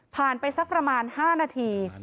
ไปสักประมาณ๕นาที